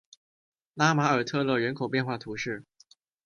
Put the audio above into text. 拉马尔特勒人口变化图示